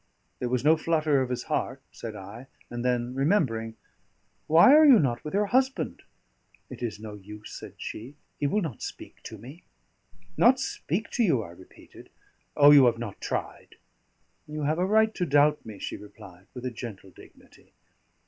"There was no flutter of his heart," said I, and then remembering: "Why are you not with your husband?" "It is no use," said she; "he will not speak to me." "Not speak to you?" I repeated. "Oh! you have not tried." "You have a right to doubt me," she replied, with a gentle dignity.